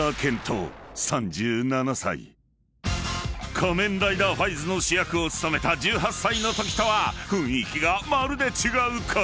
［『仮面ライダー５５５』の主役を務めた１８歳のときとは雰囲気がまるで違う彼。